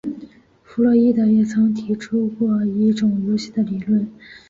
弗洛伊德也曾提出过一种游戏的理论。